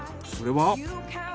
それは。